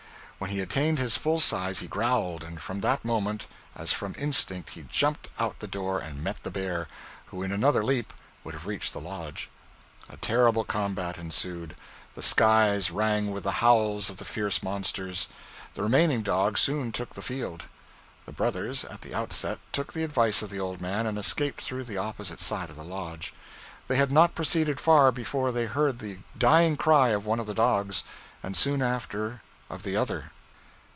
When he attained his full size he growled, and from that moment, as from instinct, he jumped out at the door and met the bear, who in another leap would have reached the lodge. A terrible combat ensued. The skies rang with the howls of the fierce monsters. The remaining dog soon took the field. The brothers, at the onset, took the advice of the old man, and escaped through the opposite side of the lodge. They had not proceeded far before they heard the dying cry of one of the dogs, and soon after of the other.